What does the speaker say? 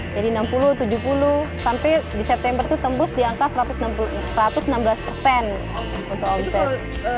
jadi enam puluh tujuh puluh sampai di september itu tembus di angka satu ratus enam belas persen untuk omset